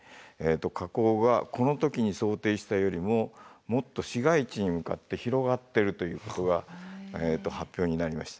火口がこの時に想定したよりももっと市街地に向かって広がってるということが発表になりました。